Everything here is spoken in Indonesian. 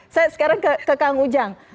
saya sekarang ke kang ujang